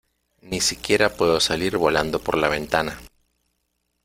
Ni siquiera puedo salir volando por la ventana.